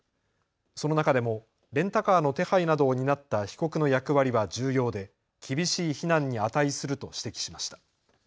その中でもレンタカーの手配などを担った被告の役割は重要で厳しい非難に値すると指摘しました。